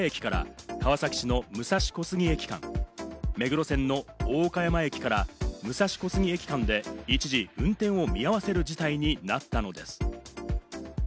東横線の渋谷駅から川崎市の武蔵小杉駅間、目黒線の大岡山駅から武蔵小杉駅間で一時運転を見合わせる事態になったのです。